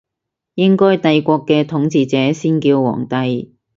應該帝國嘅統治者先叫皇帝